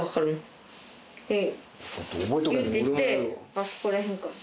「あっここら辺か」。